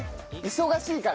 忙しいから。